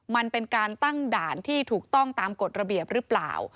มันเป็นการตั้งด่านที่ถูกต้องตามกฎระเบียบหรือเปล่า